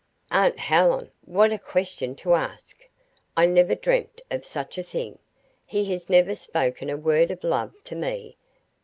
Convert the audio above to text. "Aunt Helen, what a question to ask! I never dreamt of such a thing. He has never spoken a word of love to me.